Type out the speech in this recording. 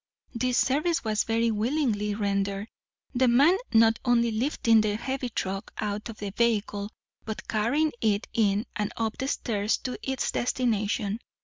This service was very willingly rendered, the man not only lifting the heavy trunk out of the vehicle, but carrying it in and up the stairs to its destination.